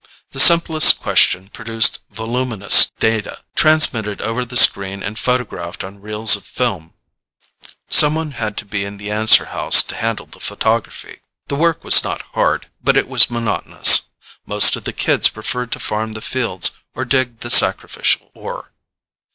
The simplest question produced voluminous data, transmitted over the screen and photographed on reels of film. Someone had to be in the answer house to handle the photography. The work was not hard, but it was monotonous. Most of the kids preferred to farm the fields or dig the sacrificial ore.